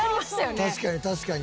確かに確かに。